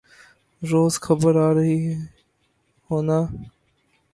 روز خبر آرہی ہونا